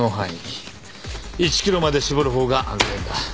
１ｋｍまで絞る方が安全だ。